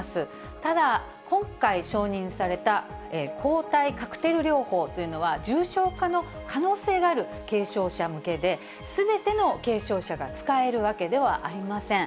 ただ、今回、承認された抗体カクテル療法というのは、重症化の可能性がある軽症者向けで、すべての軽症者が使えるわけではありません。